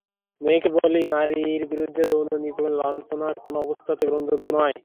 মেয়েকে বলি নারীর বিরুদ্ধে যৌন নিপীড়ন, লাঞ্ছনা কোনো অবস্থাতেই গ্রহণযোগ্য নয়।